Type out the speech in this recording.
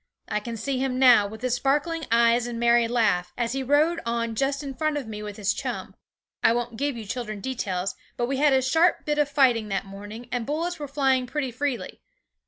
I can see him now, with his sparkling eyes and merry laugh, as he rode on just in front of me with his chum. I won't give you children details, but we had a sharp bit of fighting that morning, and bullets were flying pretty freely.